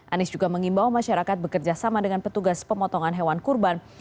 anies juga mengimbau masyarakat bekerjasama dengan petugas pemotongan hewan kurban